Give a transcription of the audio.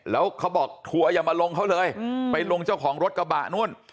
แล้วเขาบอกทัวร์อย่ามาลงเขาเลยไปลงเจ้าของรถกระบะนู่น